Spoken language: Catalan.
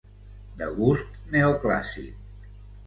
De gust neoclàssic.